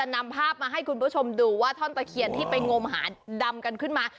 นำภาพมาให้คุณผู้ชมดูว่าท่อนตะเคียนที่ไปงมหาดำกันขึ้นมา